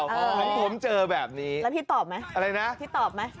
ของผมเจอแบบนี้แล้วพี่ตอบไหมอะไรนะพี่ตอบไหม